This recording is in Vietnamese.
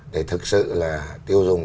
để thực sự là tiêu dùng